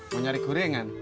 mau nyari gorengan